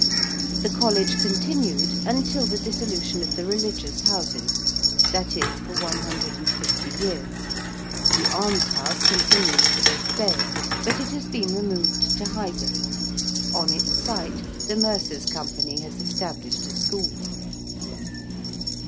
The College continued until the Dissolution of the Religious Houses that is, for one hundred and fifty years: the almshouse continues to this day: but it has been removed to Highgate: on its site the Mercers' Company has established a school.